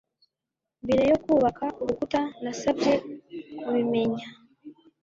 mbere yo kubaka urukuta nasabye kubimenya